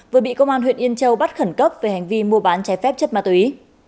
vừa bị công an huyện yên châu bắt khẩn cấp về hành vi mua bán trái phép chất ma túy